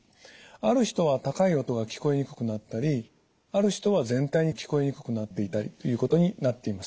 ある人は高い音が聞こえにくくなったりある人は全体に聞こえにくくなっていたりということになっています。